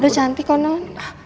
udah cantik kok non